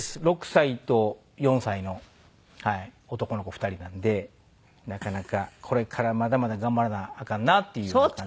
６歳と４歳の男の子２人なんでなかなかこれからまだまだ頑張らなアカンなっていう。